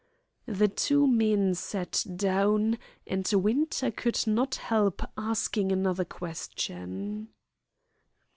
The two men sat down, and Winter could not help asking another question.